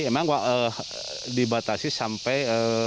emang dibatasi sampai satu lima ratus